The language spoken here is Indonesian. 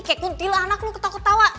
kayak kuntilanak lo ketawa ketawa